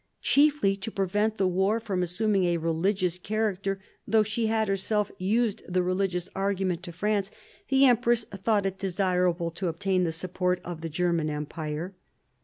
Chiefly to prevent the war from assuming a religious character, though she had herself used the religious argument to France, the empress thought it desirable to obtain the support of the German Empire.